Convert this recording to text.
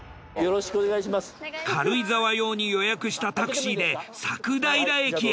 軽井沢用に予約したタクシーで佐久平駅へ。